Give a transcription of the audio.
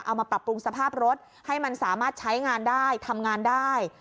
เอามาปรับปรุงสภาพรถให้มันสามารถใช้งานได้ทำงานได้